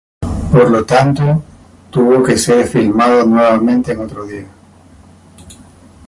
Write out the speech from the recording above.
Por lo tanto, tuvo que ser filmado nuevamente en otro día.